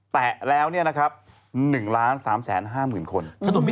แตะแล้ว๑๓๕๐๐๐๐คน